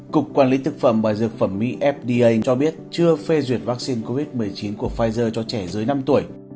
cục quản lý thực phẩm và dược phẩm mỹ fda cho biết chưa phê duyệt vaccine covid một mươi chín của pfizer cho trẻ dưới năm tuổi